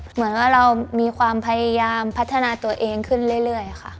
เหมือนว่าเรามีความพยายามพัฒนาตัวเองขึ้นเรื่อยค่ะ